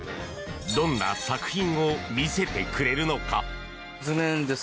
どんな作品を見せてくれるのか？